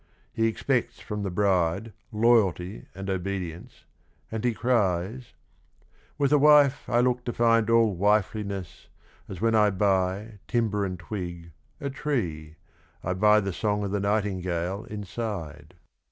He expects from the bride loyalty and obedience, and he cries "With a wife I look to find all wifeliness, As when I buy, timber and twig, a tree — I buy the song o' the nightingale inside."